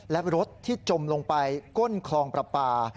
และรถที่จมลงไปก้นคลองประปา